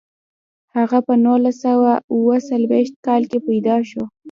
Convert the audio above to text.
هغه په نولس سوه اووه څلویښت کال کې پیدا شو.